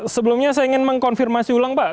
sebelumnya saya ingin mengkonfirmasi ulang pak